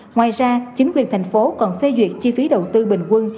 ngoài ra chính quyền thành phố còn phê duyệt chi phí đầu tư bình quân